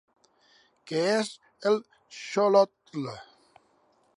Què és el Xolotl?